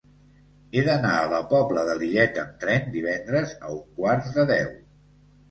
He d'anar a la Pobla de Lillet amb tren divendres a un quart de deu.